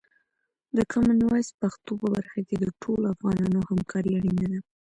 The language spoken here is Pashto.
د کامن وایس پښتو په برخه کې د ټولو افغانانو همکاري اړینه ده.